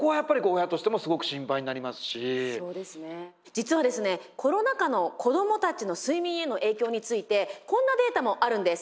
実はですねコロナ禍の子どもたちの睡眠への影響についてこんなデータもあるんです。